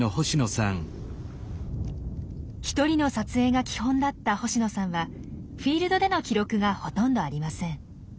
１人の撮影が基本だった星野さんはフィールドでの記録がほとんどありません。